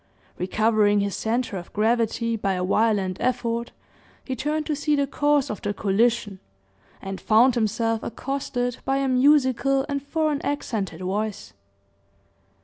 Recovering his centre of gravity by a violent effort, he turned to see the cause of the collision, and found himself accosted by a musical and foreign accented voice.